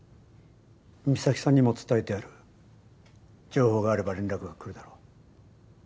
巳前さんにも伝えてある情報があれば連絡が来るだろう